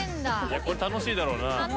これ楽しいだろうな。